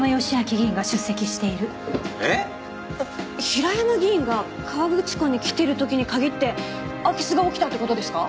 平山議員が河口湖に来ている時に限って空き巣が起きたって事ですか？